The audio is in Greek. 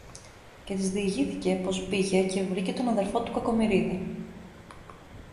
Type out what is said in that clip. Και της διηγήθηκε πως πήγε και βρήκε τον αδελφό του Κακομοιρίδη